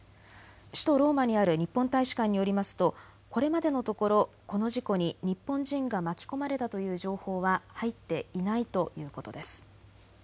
首都ローマにある日本大使館によりますとこれまでのところこの事故に日本人が巻き込まれたという情報は入っていないということです。